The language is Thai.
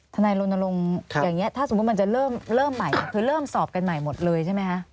นายรณรงค์อย่างนี้ถ้าสมมุติมันจะเริ่มใหม่คือเริ่มสอบกันใหม่หมดเลยใช่ไหมคะ